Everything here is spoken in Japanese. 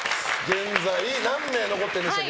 現在何名残ってるんでしたっけ？